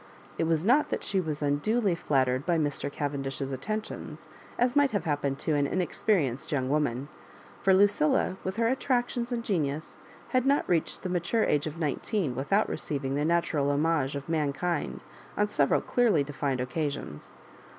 It was not that she was unduly flattered by Mr. Cavendish's attentions, as might have happened to an inexperienced young woman; for Lucilla,. with her attractions and genius, had not reached the mature age of nineteen without receiving the natural homage of mankind on several clearly defined occasions.